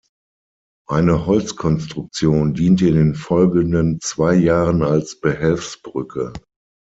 Eine Holzkonstruktion diente in den folgenden zwei Jahren als Behelfsbrücke.